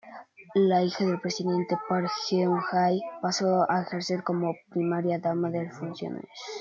La hija del presidente, Park Geun-hye, pasó a ejercer como primera dama en funciones.